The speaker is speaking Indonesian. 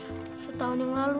mereka wafat setahun yang lalu